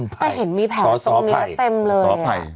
แต่เห็นมีแผ่วตรงเนี้ยเต็มเลย